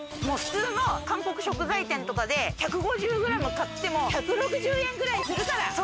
もう普通の韓国食材店とかで１５０ｇ買っても１６０円くらいするから！